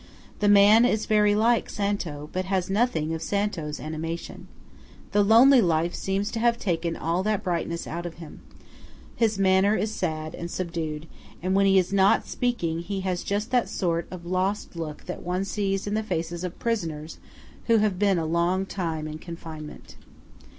The man is very like Santo, but has nothing of Santo's animation. The lonely life seems to have taken all that brightness out of him. His manner is sad and subdued; and when he is not speaking, he has just that sort of lost look that one sees in the faces of prisoners who have been a long time in confinement.